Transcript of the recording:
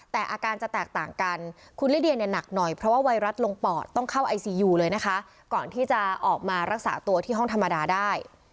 แต่อาการจะแตกต่างกันคุณลิเดียเนี่ยหนักหน่อยเพราะว่าไวรัสลงปอดต้องเข้าไอซียูเลยนะคะก่อนที่จะออกมารักษาตัวที่ห้องธรรมดาได้